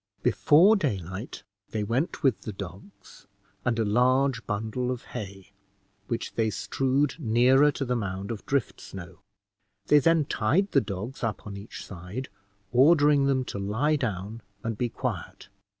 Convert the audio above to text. Before daylight they went with the dogs and a large bundle of hay, which they strewed nearer to the mound of drift snow. They then tied the dogs up on each side, ordering them to lie down and be quiet.